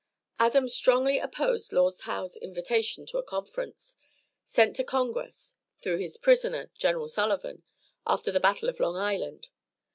Adams strongly opposed Lord Howe's invitation to a conference, sent to Congress, through his prisoner, General Sullivan, after the battle of Long Island.